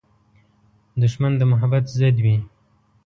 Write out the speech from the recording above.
دښمن د محبت ضد وي